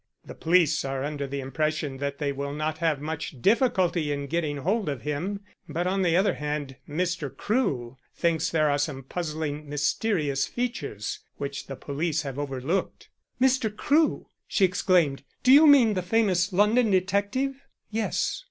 "The police are under the impression that they will not have much difficulty in getting hold of him, but on the other hand Mr. Crewe thinks there are some puzzling mysterious features which the police have overlooked." "Mr. Crewe!" she exclaimed. "Do you mean the famous London detective?" "Yes."